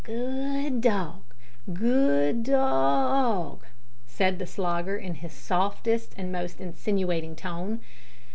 "Good dog good do o og," said the Slogger, in his softest and most insinuating tone.